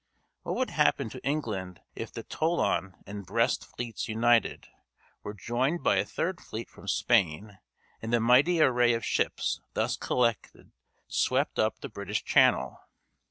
What would happen to England if the Toulon and Brest fleets united, were joined by a third fleet from Spain, and the mighty array of ships thus collected swept up the British Channel?